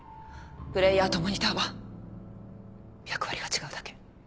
プレイヤーとモニターは役割が違うだけ。